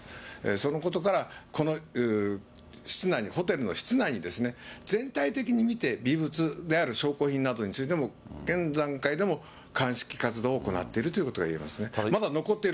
そのことから、室内に、ホテルの室内にですね、全体的に見て、微物である証拠品などについても、現段階でも鑑識活動を行っているということがいえますね。